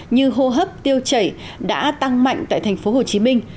như hô hấp tiêu chảy đã tăng mạnh tại tp hcm